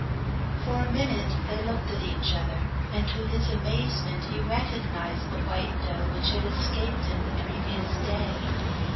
For a minute they looked at each other, and to his amazement he recognized the white doe which had escaped him the previous day.